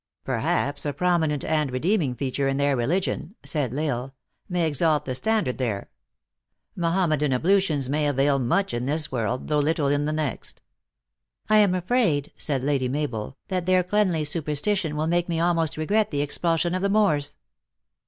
"Perhaps a prominent and redeeming feature in their religion," said L Isle, " may exalt the standard there. Mahornedan ablutions may avail much in this world, though little in the next." u I am afraid," said Lady Mabel, " that their clean ly superstition will make me almost regret the expul sion of the Moors."